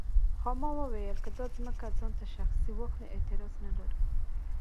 خاما وویل که دا ځمکه ځان ته شخصي واخلي اعتراض نه لرو.